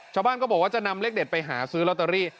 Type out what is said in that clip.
ชาวบ้านก็บอกว่าจะนำเลขเด็ดไปหาซื้อลอตเตอรี่